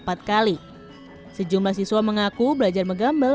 daripada saya main hp saja saya lebih mempelajari mengambil